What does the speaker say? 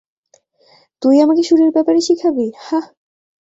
তুই আমাকে সুরের ব্যাপারে শিখাবি, হাহ?